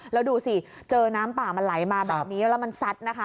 แล้วดูสิเจอน้ำป่ามันไหลมาแบบนี้แล้วมันซัดนะคะ